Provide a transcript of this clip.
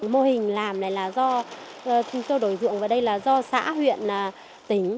mô hình làm này là do thương sơ đổi dụng và đây là do xã huyện tính